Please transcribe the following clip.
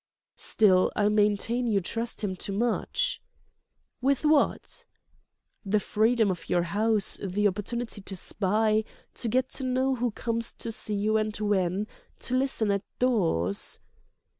"Still, I maintain you trust him too much." "With what?" "The freedom of your house, the opportunity to spy, to get to know who comes to see you and when, to listen at doors."